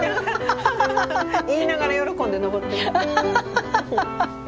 言いながら喜んで登ってるよ。